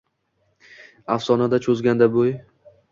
Аfshonada choʼzganda boʼy